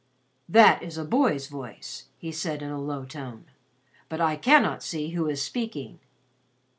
"That is a boy's voice," he said in a low tone, "but I cannot see who is speaking."